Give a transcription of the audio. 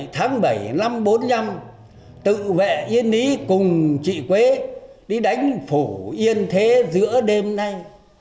một mươi bảy tháng bảy năm một nghìn chín trăm bốn mươi năm tự vệ yên lý cùng chị quế đi đánh phủ yên thế giữa đêm nay